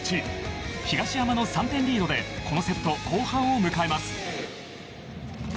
東山の３点リードでこのセット後半を迎えます。